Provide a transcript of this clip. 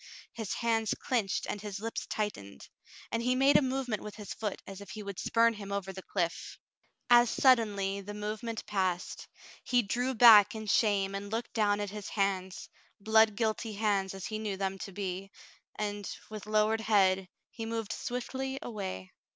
His hands clinched and his lips tightened, and he made a movement with his foot as if he would spurn him over the cliff. As suddenly the moment passed ; he drew back in shame and looked down at his hands, blood guilty hands as he knew them to be, and, with lowered head, he moved swiftly away.